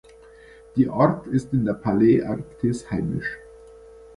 Die Art ist in der Paläarktis heimisch.